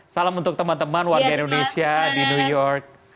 salam untuk teman teman warga indonesia di new york